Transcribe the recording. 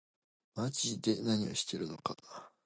まぢで何してるのか